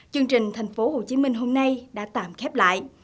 chương trình thành phố hồ chí minh hôm nay đã tạm khép lại